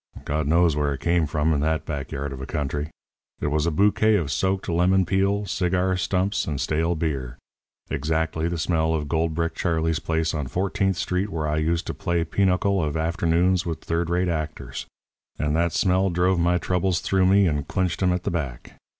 God knows where it came from in that backyard of a country it was a bouquet of soaked lemon peel, cigar stumps, and stale beer exactly the smell of Goldbrick Charley's place on Fourteenth Street where I used to play pinochle of afternoons with the third rate actors. And that smell drove my troubles through me and clinched 'em at the back.